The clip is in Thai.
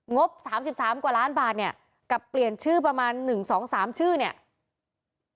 งบ๓๓กว่าล้านบาทเนี่ยกับเปลี่ยนชื่อประมาณ๑๒๓ชื่อเนี่ย